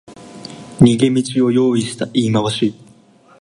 逃げ道を用意した言い回し